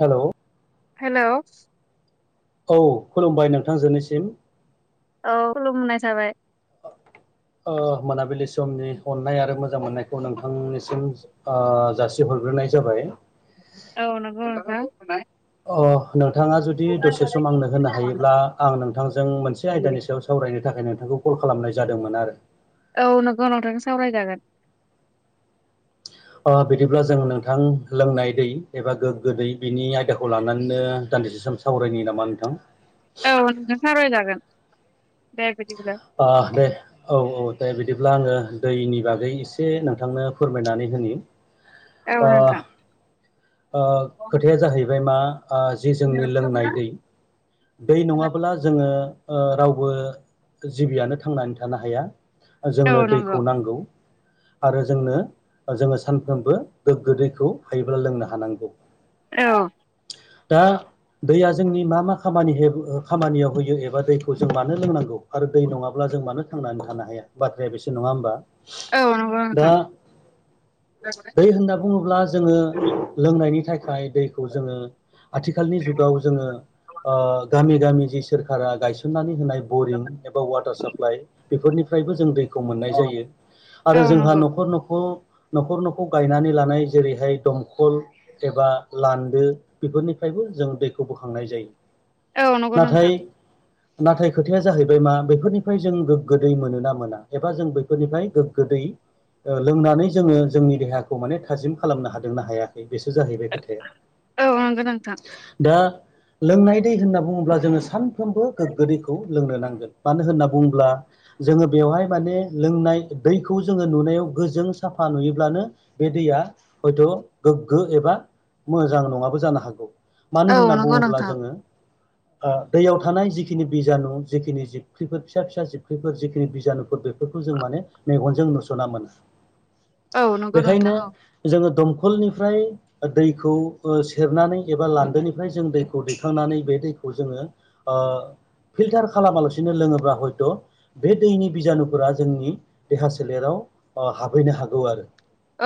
Hello hello औ खुलुमबाय नोंथांजोनिसिम औ खुलुमनाय जाबाय औ ओ मोनाबिलि समनि अननाय आरो मोजां मोननायखौ नोंथांनिसिम ओ जासिहर ग्रोनाय जाबाय औ नंगौ नोंथां अ नोंथाङा जुदि दसे सम आंनो होनो हायोब्ला आं नोंथांजों मोनसे आयदानि सायाव सावरायनो थाखाय नों थांखौ कल खालामनाय जादोंमोन आरो औ नंगौ नोंथां सावरायजागोन ओ बिदिब्ला जों नोंथां लोंनाय दै एबा गोग्गो दै बिनि आयदाखौ लानानैनो दान्दि से सावरायनि नामा नोंथां? औ नोंथां सा रायजागोन दे बिदिब्ला आ दे औ औ दे बि दिब्ला आङो दैनि बागै एसे नोंथांनो फोरमायनानै होनो। औ नोंथां ओ खोथाया जाहैबाय मा ओ जि जोंनि लोंनाय दै दै नङाब्ला जोङो ओ रावबो जिबियानो थांनानै थानो हाया औ जोंनो नंगौ दैखौ नांगौ आरो जोंनो जोङो सानफ्रोमबो गोग्गो दैखौ हायोब्ला लोंनो हानांगौ। औ दा दैया जोंनि मा मा खामानि खामानियाव होयो एबा दैखौ जों मानो लोंनांगौ आरो दै नङाब्ला जों मानो थांनानै थानो हाया बाथ्राया बेसे नङा होमबा औ नंगौ नोंथां दा दै होनना बुङोब्ला जोङो लोंनायनि थाखाय दैखौ जोङो आथिखालनि जुगाव जोङो ओ गामि गामि जि सोरखारा गायसननानै होनाय बरिं एबा वाटार साप्लाइ बेफोरनिफ्रायबो जों दै खौ मोननाय जायो आरो औ जोंहा नंगौ न'खर न'खर न'खर न'खर गायनानै लानाय जेरैहाय दमखल एबा लान्दो बेफोरनिफ्राय जों दैखौ बोखांनाय जायो। औ नंगौ नोंथां। नाथाय नाथाय खोथाया जाहैबाय मा बेफोरनिफ्राय जों गोदै मोनोना मोना एबा जों बैफोरनिफ्राय गो गोदै ओ लोंनानै जोङो जोंनि देहाखौ माने थाजिम खालामनो हादोंना हायाखै बेसो जाहैबाय खोथाया औ नंगौ नोंथां दा लोंनाय दै होनना बुङोब्ला जोङो सानफ्रोमबो गोग्गो दैखौ लोंनो नां गोन मानो होनना बुङोब्ला जोङो बेवहाय माने लोंनाय दैखौ जोङो नुनायाव गोजों साफा नुयोब्लानो बे दैया हयथ' गोग्गो एबा मोजां नङाबो जानो हागौ मानो औ होनना नंगौ बुङोब्ला नोंथां जोङो दैयाव ओ थानाय जिखिनि बिजानु जिखिनि जिबख्रिफोर फिसा फिसा जिबख्रिफोर जिखिनि बिजानुफोर बेफोरखौ जों माने मेगनजों नुस'ना मोना औ नंगौ नोंथां बेखायनो औ जोङो दम खलनिफ्राय दैखौ सेरनानै एबा लान्दोनिफ्राय जों दैखौ दैखांनानै बे दै खौ जोङो ओ फिल्टार खालामालासि नो लोङोब्ला हयथ' बे दैनि बिजानुफोरा जोंनि देहा सोलेराव ओ हाबहैनो हागौ आरो।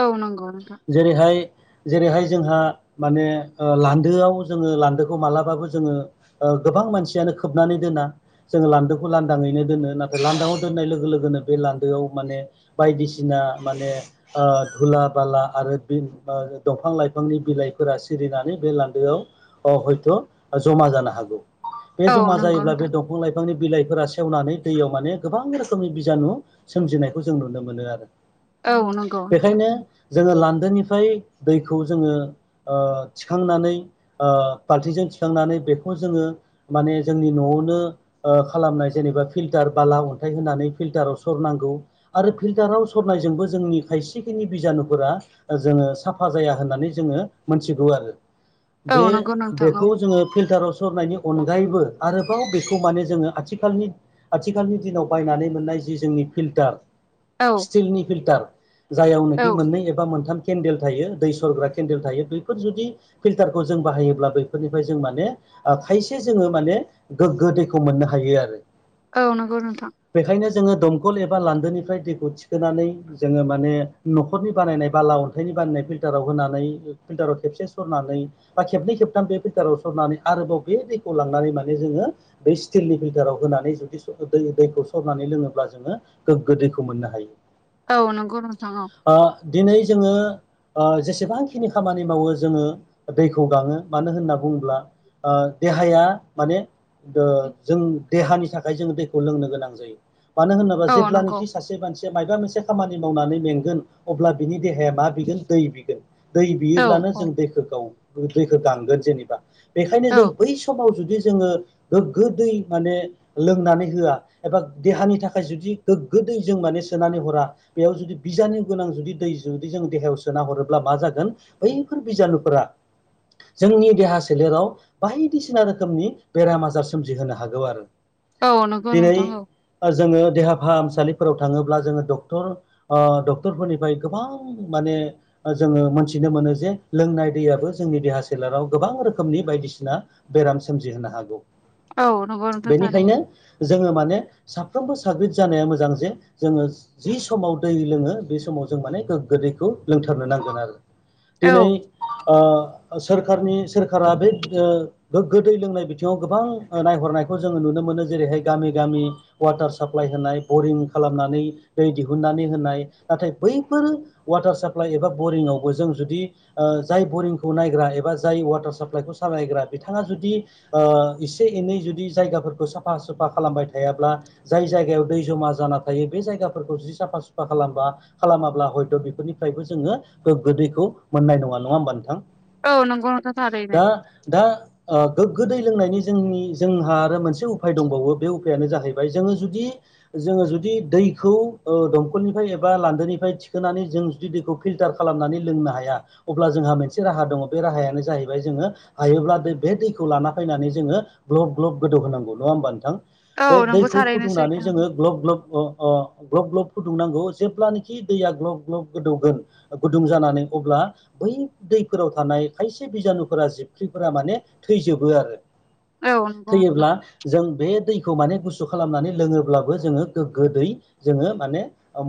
औ नोंग' नोंथां। जेरैहाय जेरैहाय जोंहा माने ओ लान्दोआव जोङो लान्दोखौ मालाबाबो जोङो ओ गोबां मानसियानो खोबनानै दोना जोङो लान्दोखौ लान्दाङैनो दोनो नाथाय लान्दाङआव दोननाय लोगो लोगोनो बे लान्दोआव माने बायदिसिना माने ओ धुला बाला आरो बिन आ दंफां-लाइफांनि बिलाइफोरा सिरिना बे लान्दोआव हयथ' जमा जानो हागौ बे औ जमा नंगौ जायोब्ला बे नोंथां दं फां लाइफांनि बिलाइफोरा सेवनानै दैयाव माने गोबां रोखोमनि बिजानु सोमजिनायखौ जों नुनो मोनो आरो औ नंगौ नोंथां बेखायनो जोङो लान दोनिफ्राय दैखौ जोङो ओ थिखांनानै ओ फाल्थिजों थिखांनानै बेखौ जोङो माने जोंनि न'आवनो ओ खालामनाय जेनेबा फिल्टार बाला अन्थाइ होनानै फिल्टाराव सरनांगौ आरो फिल्टाराव सर नायजोंबो जोंनि खायसेखिनि बिजानुफोरा जोङो साफा जाया होननानै जोङो मोनथिगौ आरो औ बे नंगौ नोंथां औ बेखौ जोङो फिल्टाराव सरनायनि अनगायैबो आरोबाव बे खौ माने जोङो आथिखालनि आथिखालनि दिनाव बायनानै मोननाय जि जोंनि फिल्टार औ स्टिलनि फिल्टार औ जायावनोखि मोननै एबा मोनथाम केन्देल थायो दै सरग्रा केन्देल थायो बैफोर जुदि फिल्टारखौ जों बाहायोब्ला बैफोरनिफ्राय जों माने ओ खायसे जोङो माने गोग्गो दैखौ मोननो हायो आरो। औ नोंगौ नोंथां। बेखायनो जोङो दंखल एबा लान्दोनिफ्राय दैखौ थिखोनानै जोङो माने न'खरनि बानायनाय बाला अन्थाइनि नाय फिलटाराव होन फिल्टाराव खेबसे सरनानै बा खेबनै खेबथाम बे फिल्टाराव सरनानै आरोबाव बे दैखौ लांनानै माने जोङो बै स्टिलनि फिल्टाराव होनानै जुदि सर दै दैखौ सरनानै लोङोब्ला जोङो गोग्गो दैखौ मोननो हायो। औ नंगौ नोंथां औ ओ दिनै जोङो ओ जेसेबांखिनि खामानि मावो जोङो दैखौ गाङो मानो होनना बुङोब्ला ओ देहाया माने दो जों देहानि थाखाय जों दैखौ लोंनो गोनां जायो। मानो होनोबा औ नंगौ जेब्लानोखि सासे मानसिया मायबा मोनसे खामानि मावनानै मेंगोन अब्ला बिनि देहाया मा बिगोन दै बिगोन दै औ बियोब्लानो औ जों दैखौ गाव खौ दैखो गांगोन जेनेबा बेखायनो औ जों बै समाव जुदि जोङो गोग्गो दै माने लोंनानै होआ एबा देहानि थाखाय जुदि गोग्गो दै जों माने सोनानै हरा बेयाव जुदि बिजानु गोनां जुदि दै जुदि जों देहायाव सोना हरोब्ला मा जागोन बै फोर बिजानुफोरा जोंनि देहा सोलेराव बायदिसिना रोखोमनि बेरामा सोमजिहोनो हागौ आरो औ नंगौ दिनै नोंथां औ ओ जोङो देहा फाहामसालिफोराव थाङोब्ला जोङो डक्टर ओ डक्टरफोरनिफ्राय गोबां माने जोङो मोनथिनो मोनो जे लोंनाय दैयाबो जोंनि देहा सोलेराव गोबां रोखोमनि बायदिसिना बेराम सोमजिहोनो हागौ औ नंगौ नोंथां बेनिखायनो थारैनो जोङो माने साफ फ्रोमबो साग्रिद जानाया मोजां जे जोङो जि समाव दै लोङो बे समाव जों माने गोग्गो दैखौ लोंथारनो नांगोन आरो दिनै औ ओ सोरखारनि सोरखारा बे ओ गो गो दै लोंनाय बिथिङाव गोबां ओ नायहरनायखौ जोङो नुनो मोनो जेरैहाय गामि गामि वाटार साप्लाइ होनाय बरिं खालाम नानै दै दिहुननानै होनाय नाथाय बैफोर वाटार साप्लाइ एबा बरिंआवबो जों जुदि ओ जाय बरिंखौ नायग्रा एबा जाय वाटार साप्लाइखौ सालायग्रा बिथाङा जुदि ओ एसे एनै जुदि जायगाफोरखौ साफा सुफा खालामबाय थायाब्ला जाय जायगायाव दै जमा जाना थायो बे जायाफोरखौ जि साफा सुफा खालामा खालामाब्ला हयट' बेफोरनिफ्रायबो जोङो गोगो दैखौ नाय नङा। नङा ओमबा नोंथाा। औ नंगौ नोंथां थारैनो दा दा ओ गोग्गो दै लोंनायनि जोंनि जोंहा आरो मोनसे उफाय दंबावो बे उफायानो जाहैबाय जोङो जुदि जो जुदि दैखौ ओ दंखलनिफाय एबा लान्दोनिफाय थिखोनानै जों जुदि दैखौ फिल्टार खालामनानै लोंनो हाया अब्ला जोंहा मोनसे राहा दङ बे राहायानो जाहैबाय जोङो हायोब्ला बे दैखौ लाना फैनानै जोङो ग्लब ग्लब गोदौ होनांगौ नङा होमबा नोंथां औ बे नंगौ दैखौ थारैनो फुदुंनानै सैथो जोङो नोंथां। ग्लब ग्लब। अ ग्लब ग्लब फुदुंनांगौ जेब्लानोाखि दैया ग्लब ग्लब गोदौगोन गुदुं जानानै अब्ला बै दैफोराव थानाय खायसे बिजानुफोरा जिबख्रिफोरा माने थैजोबो आरो। औ नंगौ नोंथां थैयोब्ला जों बे दै। खौ माने गुसु खालामनानै लोङोब्लाबो जोङो गोग्गोदै जोङो माने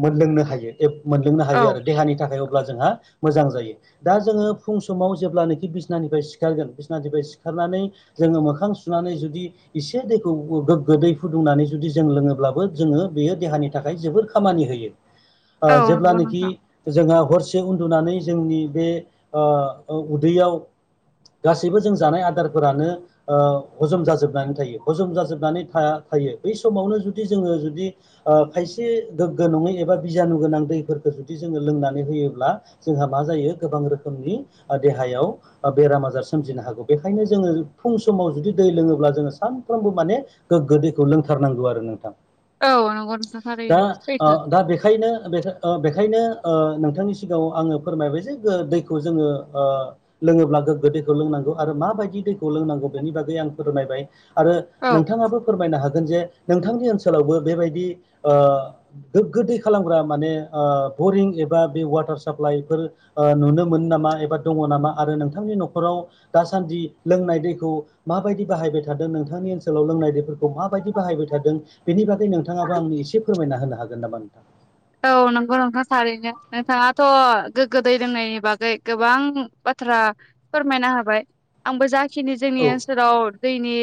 मोनलोंनो हायो। मोनलोंनो औ हायो आरो देहानि थाखाय अब्ला जोंहा मोजां जायो दा जोङो फुं समाव जेब्लानोखि बिसनानिफ्राय सिखारगोन बिसनानिफ्राय सिखारनानै जोङो मोखां सुनानै जुदि एसे दैखौ गोग्गो दै फुदुंनानै जुदि जों लोङोब्लाबो जोङो बेयो देहानि थाखाय जोबोर खामानि होयो औ ओ नंगौ जेब्लानाखि नोंथां जोंङो हरसे उन्दुनानै जोंनि बे ओ अ उदैयाव गासैबो जों जानाय आदारफोरानो ओ हजम जाजोबनानै थायो हजम जाजोबनानै थ थायो बै समावनो जुदि जोङो जुदि खाय एसे गोग्गो नङै एबा बिजानु गोनां दैफोरखौ जुदि जोङो लोंनानै होयोब्ला जोंहा मा जायो गोबां रोखोमनि देहायाव बेराम आजार सोमजिनो हागौ बेखायनो जोङो फुं समाव जुदि दै लोङोब्ला जोङो सानफ्रोमबो माने गोग्गो दैखौ लोंथारनांगौ आरो नोंथां। औ नंगौ नोंथां दा थारैनो अ सैथो दा बेखायनो अ बेखाय बेखायनो ओंखायनो ओ नोंथांनि सिगाङाव आङो फोरमायबाय जे दैखौ जोङो ओ लोङोब्ला गोग्गो दैखौ लोंनांगौ आरो माबायदि दैखौ लोंनांगौ बेनि बागै आं फोरमायबाय आरो औ नोंथाङाबो फोरमायनो हागोन जे नोंथांनि ओनसोलावबो बेबायदि ओ गोग्गोदै खालामग्रा माने ओ अ बरिं एबा बे वाटार साप्लाइफोर नुनो मोनो नामा एबा दङ नामा आरो नोंथांनि न'खर खराव दासान्दि लोंनाय दैखौ माबायदि बाहायबाय थादों नोंथांनि ओनसोलाव लोंनाय दैफोरखौ माबायदि बाहायबाय थादों बेनि बागै नोंथाङाबो आंनो एसे फोरमाय। ना होनो हागोन नामा नोंथां औ नंगौ नोंथां थारैनो नोंथाङाथ' गोग्गो दै लोंनायनि बागै गोबां बाथ बाथ्रा फोरमायनो होबाय आंबो जाखिनि जोंनि औ ओनसोलाव दैनि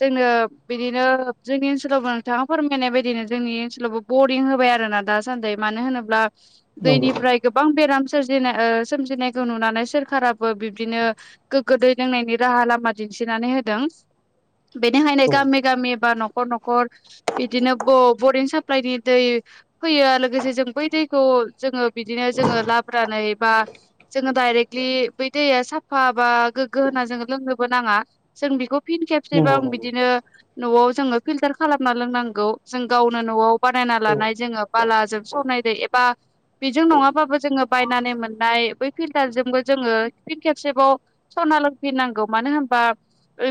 जोंनो बिदिनो जोंनि ओनसोलावबो नोंथाङा फोरमायनाय बायदिनो जोंनि ओनसोलावबो बरिं होबाय आरोना दा सानदै मानो होनोब्ला नंगौ दैनिफ्राय गोबां बेराम सोरजिनाय ओ सोमजिनायखौ नुनानै सोरखाराबो बिब्दिनो गोग्ग गोो दै लोंनायनि राहा लामा दि दिसिनानै होदों [inaudible] बेनिखायनो औ गामि गामि बा नख नखर न'खर बिदिनो ब बरिं साप्लइनि दै फैयो लोगोसे जों बै दैखौ जोङो बिदिनो जोङो [unintelligible] बा जोङो डाइरेक्टलि बै दैया साफा बा गोग्गो होना जोङो लोंनोबो नाङा जों बेखौ फिन नंगौ खेबसेबां नंगौ बिदिनो न'आव जोङो फिलटार खालामना लोंनांगौ जों गावनो न'आव बानायना औ लानाय जोङो बालाजों सरनाय दै एबा बेजों नङाबाबो जोङो बायनानै मोननाय बै फिल्टारजोंबो जोङो फिन खेबसेबाव सर ना लोंफिननांगौ मानो होनबा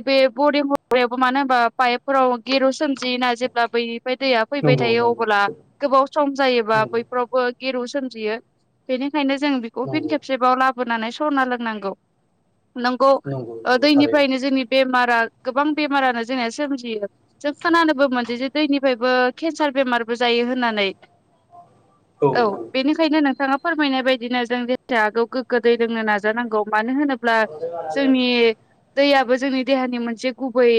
बे बरिं मायावबो मानो होनबा पाइपफोराव गेरु सोमजियोना जेब्ला बै ओमफ्राय दैया फैबाय नंगौ थायो नंगौ अबोब्ला गोबाव सम जायोबा नंगौ बैफ्रावबो गिरु सोमजियो बेनिखायनो जों बेखौ फिन नंगौ खेबसेबाव लाबो नानै सरना लोंनांगौ नंगौ नंगौ थारैनो दैनिफ्रायनो जोंनि बेमार गोबां बेारानो जों सियो जों खोनबो मोन जे दैनिफ्रायबो केनसार बेमारबो जायो होननानै औ बेनिखायनो नोंथाङा फोरमायनाय बायदिनो जों देस हागौ गोग्गो दै लोंनो नाजानांगौ। मानो होनोब्ला जोंनि दैयाबो जोंनि देहानि मोनसे गुबै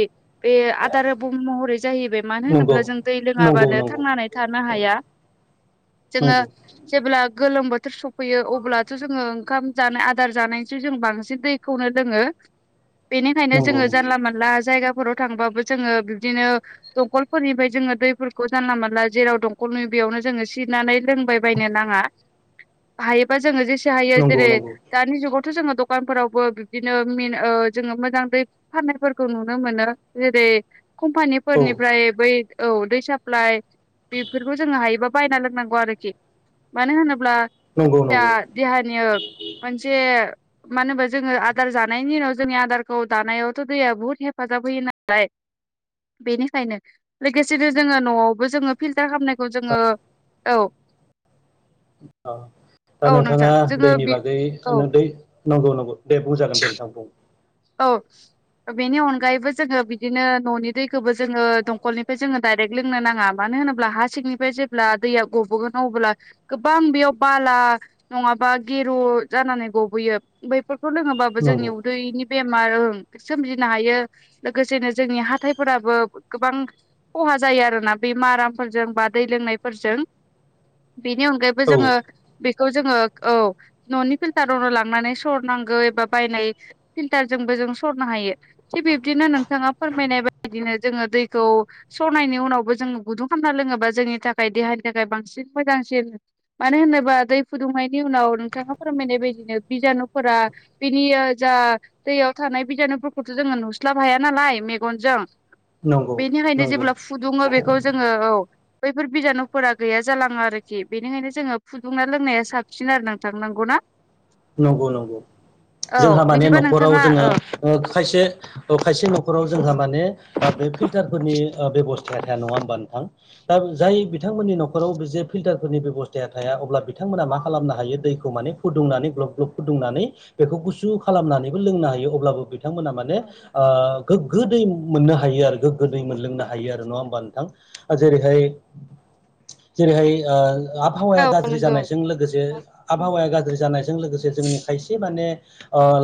बे आदार महरै जाहैबाय मानो नंगौ होनोब्ला जों दै नंगौ लोङाबानो नंगौ थांनानै थ थानो हाया जोङो नंगौ जेब्ला गोलोम बोथोर सफैयो अब्लाथ' जोङो ओंखाम जानो आदार जानायसै जों बांसिन दैखौनो लोङो बेनिखायनो नंगौ नंगौ जोङो जानला मोनला जायगाफोराव गांबाबो जों बिब्दिनो दंखलफोरनिफ्राय जों दैफोरखौ जानला मोनला जेराव दंखल नुयो बेयावनो जोङो सिरनानै लोंबायबायनो नाङा हायोबा जोङो जे जा हायो नंगौ जेरै नंगौ दानि जुगाव थ' जोङो दखानफोरावबो बिब्दिनो मेन ओ जोङो मोजां दै फाननायफोरखौ नुनो मोनो जेरै औ कम्पानिफोरनिफ्राय बै औ दै साप्लाइ बेफोरखौ जोङो हायोबा बायना लोंनांगौ आरोखि मानो होनोब्ला नंगौ नंगौ देहानि मोनसे मानो होनबा जोङो आदार जानायनि उनाव जोंनि आदारखौ दानायावथ' दैया बहुत हेफाजाब होयो नालाय। बेनिखायनो लोगोसेनो जोङो न'आवबो जोङो फिल्टार खालामनायखौ जोङो औ। औ दा औ नोंथाङा नोंथां जोङो दैनि बि बागै औ नों दै नंगौ नंगौ। दे बुं जागोन दे नोंथां बुं। औ बेनि अनगायैबो जोङो बिदिनो न'नि दैखौबो जोङो दंखलनिफ्राय जोङो डाइरेक्ट लोंनो नाङा मानो -' मानो होनोब्ला हा सिंनिफ्राय जेब्ला दैया गबोगोन अब्ला गोबां बेयाव बाला नङाबा गेरु जानानै गबोयो बैफोरखौ लोङोबाबो जोंनि नंगौ उदैनि बेमार सोमजिनो हायो लोगोसेनो जोंनि हाथायफोराबो गोबां खहा जायो आरोना बे मारामफोरजों बा दै लोंनायफोरजों [inaudible] बेनि अनगायैबो औ जोङो बे खौ जोङो औ न'नि फिल्टारावनो लांनानै सरनांगौ एबा बायनाय फिल्टारजोंबो जों सरनो हायो थिग बिब्दिनो नोंथाङा फोरमायनाय बायदिनो जोङो दैखौ सरनायनि उनावबो जोङो गुदुं खालामना लोङोबा जोंनि थाखाय देहानि थाखाय बांसिन मोजांसिन। मानो होनोबा मानो होनोबा दै फुदुंनायनि उनाव नोंथाङा फोरमायनाय बायदिनो बिजानुफोरा बिनि जा दैयाव थानाय बिजानुफोरखौथ' जोङो नुस्लाब हाया नालाय मेगनजों नंगौ बेनिखायनो नंगौ जेब्ला फुदुङो बेखौ जोङो औ। बैफोर बिजानुफोरा गैया जालाङो आरोखि बेनिखायनो जोङो फुदुंना लोंनाया साबसिन आरो नोंथां। नांगौना? नंगौ नंगौ औ जोंहा माने बिदिबा न'खर नख'राव नोंथाङा औ जोङो खायसे खायसे न'खराव जोंहा माने दा बे फिल्टारफोरनि बेबस्थाया थाया नङा होमबा नोंथां दा जाय बिथांमोननि न'खराव बे जे फिल्टारफोरनि बेब'स्थाया थाया अब्ला बिथांमोना मा खालामनो हायो दैखौ माने फुदुंनानै ग्लब- ग्लब फुदुंनानै बेखौ गुसु खालामनानैबो लोंनो हायो अब्लाबो बिथांमोना माने गोग्गो दै मोननो हायो आरो गोग्गो दै मोनलोंनो हायो आरो नङा होमबा नोंथां। जेरैहाय- जेरैहाय आ आबहावाया औ गाज्रि नंगौ जानायजों लोगोसे आबहावाया गाज्रि जानाय जोंनि खायसे माने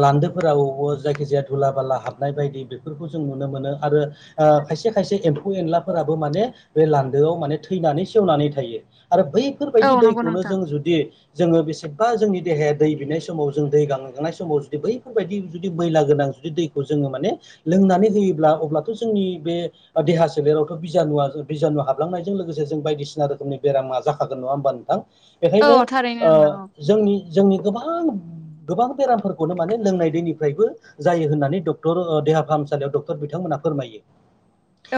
लान्दोफोराव जायखिजाया धुला बाला हाबनाय बायदि बेफोरखौ जों नुनो मोनो। आरो खायसे- खायसे एम्फौ एनलाफोराबो माने बे लान्दोआव माने थैनानै सेवनानै थायो। आरो औ बैफोरबायदि नंगौ दैखौनो नोंथां जों जुदि जोङो बेसेबा जोंनि देहाया दै बिनाय समाव जों दै गांगानाय समाव जुदि बैफोरबायदि जुदि मैला गोनां जुदि दैखौ जों माने लोंनानै होयोब्ला अब्लाथ' जोंनि बे देहा सोलेरावथ' बिजानुवा बिजानु हाबलांनायजों लोगोसे जों बायदिसिना रोखोमनि बेरामा जाखागोन नङा होमबा नोंथां। औ बेखायनो थारैनो नोंथां जोंनि -जोंनि गोबां गोबां बेरामफोरखौनो माने लोंनाय दैनिफ्रायबो जायो होन्नानै डक्टर देहा फाहामसालियाव डक्टर बिथांमोन -' फोरमायो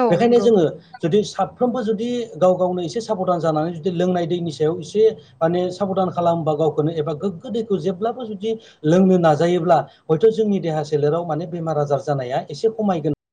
औ औ बेखायनो नंगौ जोङो जुदि साफ्रोमबो जुदि गाव गावनो एसे साबधान जानानै जुदि लोंनाय दैनि सायाव एसे माने साबदान खालामबा गावखौनो एबा गोग्गो दैखौ जेब्लाबो जुदि लोंनो नाजायोब्ला हयथ' जोंनि देहा सोलेराव माने बेमार आजार जानाया एसे खमायगोन।